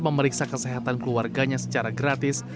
memeriksa kesehatan keluarganya secara gratis